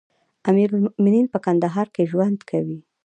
امير المؤمنين په کندهار کې ژوند کوي.